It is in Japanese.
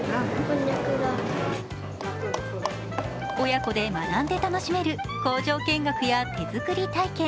親子で学んで楽しめる工場見学や手作り体験。